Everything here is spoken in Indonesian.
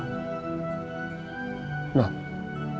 itu yang disebut kematian dengan cinta kepada allah